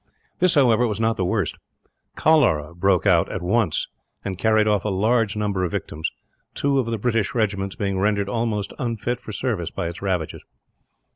This, however, was not the worst. Cholera broke out at once, and carried off a large number of victims two of the British regiments being rendered almost unfit for service by its ravages.